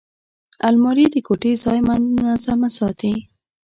الماري د کوټې ځای منظمه ساتي